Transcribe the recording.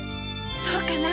そうかな